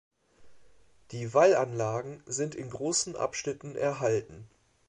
Die Wallanlagen sind in großen Abschnitten erhalten.